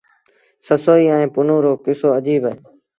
سسئيٚ ائيٚݩ پنهون رو ڪسو اجيب اهي۔